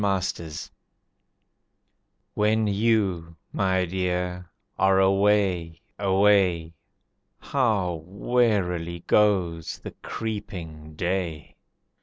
A Little Song When you, my Dear, are away, away, How wearily goes the creeping day.